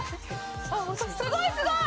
すごいすごい！